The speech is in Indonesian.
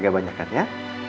agak banyak kan ya